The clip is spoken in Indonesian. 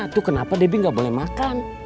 tuh kenapa debbie gak boleh makan